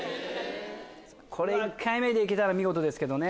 これ１回目で行けたら見事ですけどね。